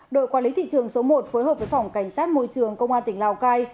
đội quản lý thị trường số một phối hợp với phòng cảnh sát môi trường công an tỉnh lào cai